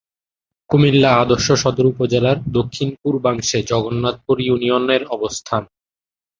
কুমিল্লা আদর্শ সদর উপজেলার দক্ষিণ-পূর্বাংশে জগন্নাথপুর ইউনিয়নের অবস্থান।